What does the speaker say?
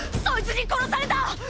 そいつに殺された！